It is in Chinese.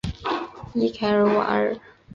伊凯尔瓦尔。